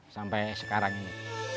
sampai sekarang ini